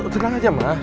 tenang aja ma